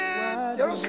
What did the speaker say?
よろしく！